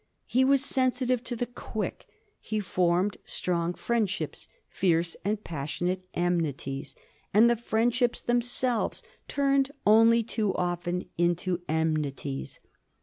He was sensitive to the quick ; he formed strong friendships, fierce and passionate enmities ; and the friendships themselves turned only too often into enmities.